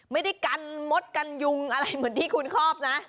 ไม่ได้กันมดกันยุงอะไรเหมือนที่คุณครอบนะ